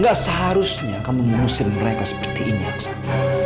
gak seharusnya kamu ngusir mereka seperti ini aksan